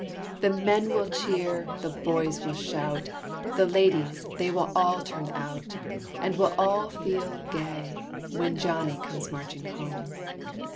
The men will cheer, the boys will shout, The ladies, they will all turn out, And we'll all feel gay, When Johnny comes marching home.